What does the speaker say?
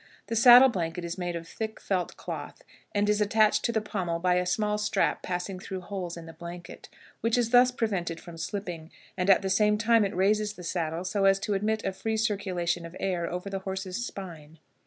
The saddle blanket is made of thick felt cloth, and is attached to the pommel by a small strap passing through holes in the blanket, which is thus prevented from slipping, and at the same time it raises the saddle so as to admit a free circulation of air over the horse's spine.